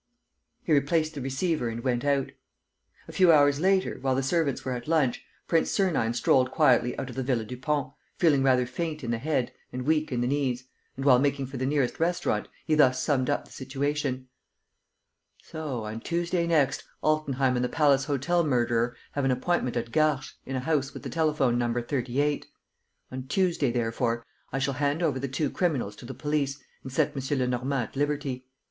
He replaced the receiver and went out. A few hours later, while the servants were at lunch, Prince Sernine strolled quietly out of the Villa Dupont, feeling rather faint in the head and weak in the knees, and, while making for the nearest restaurant, he thus summed up the situation: "So, on Tuesday next, Altenheim and the Palace Hotel murderer have an appointment at Garches, in a house with the telephone number 38. On Tuesday, therefore, I shall hand over the two criminals to the police and set M. Lenormand at liberty.